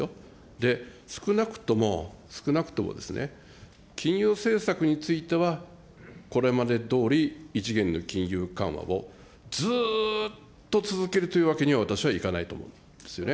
で、少なくとも、少なくともですね、金融政策についてはこれまでどおり異次元の金融緩和をずーっと続けるというわけには、私はいかないと思うんですよね。